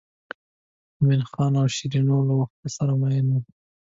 مومن خان او شیرینو له وخته سره مئین وو.